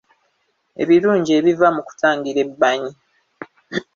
Ebirungi ebiva mu kutangira ebbanyi